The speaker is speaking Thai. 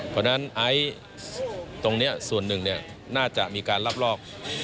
เพราะฉะนั้นไอซ์ตรงนี้ส่วนหนึ่งน่าจะมีการรับลอก